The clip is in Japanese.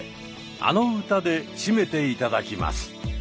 あの歌で締めて頂きます！